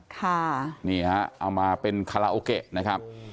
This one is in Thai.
ค่ะนี่ฮะเอามาเป็นคาราโอเกะนะครับ